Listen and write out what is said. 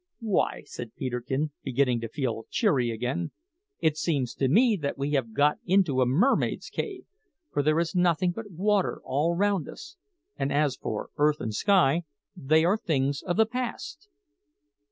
"Why," said Peterkin, beginning to feel cheery again, "it seems to me that we have got into a mermaid's cave, for there is nothing but water all round us; and as for earth and sky, they are things of the past."